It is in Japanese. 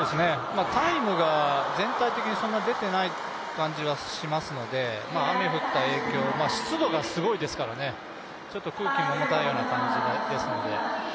タイムが全体的にそんなに出てない感じはしますので雨降った影響、湿度がすごいですからちょっと空気も重たいような感じがありますので。